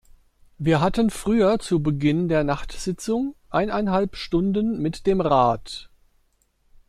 Wir hatten früher zu Beginn der Nachtsitzung eineinhalb Stunden mit dem Rat.